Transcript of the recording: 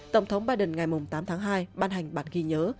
tổng thống biden ngày tám tháng hai ban hành bản ghi nhớ